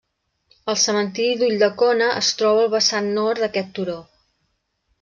El cementiri d'Ulldecona es troba al vessant nord d'aquest turó.